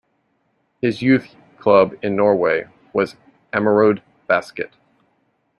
His youth club in Norway was Ammerud Basket.